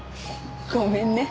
ごめんね。